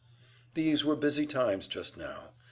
These were busy times just now.